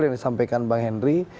yang disampaikan bang henry